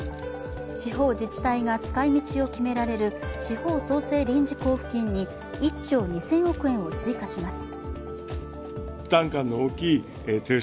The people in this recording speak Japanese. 地方自治体が使い道を決められる地方創生臨時交付金に１兆２０００億円を追加します。